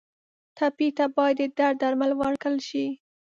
ټپي ته باید د درد درمل ورکړل شي.